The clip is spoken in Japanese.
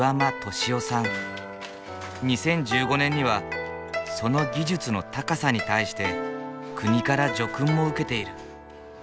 ２０１５年にはその技術の高さに対して国から叙勲も受けている。